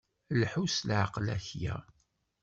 Lḥu s leɛqel akya.